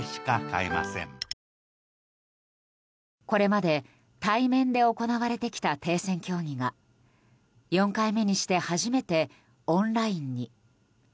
これまで対面で行われてきた停戦協議が４回目にして初めてオンラインに。